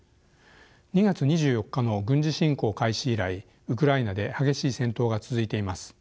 ２月２４日の軍事侵攻開始以来ウクライナで激しい戦闘が続いています。